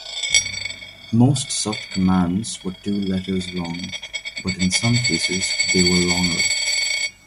Most such commands were two letters long, but in some cases they were longer.